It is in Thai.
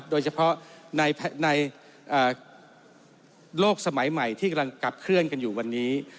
โดยเฉพาะในโลกสมัยใหม่ที่กำลังขับเคลื่อนกันอยู่วันนี้